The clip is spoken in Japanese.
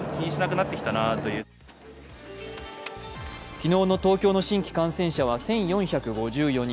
昨日の東京の新規感染者は１４５４人。